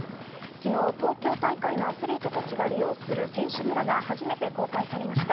昨日、東京大会のアスリートたちが利用する選手村が初めて公開されました。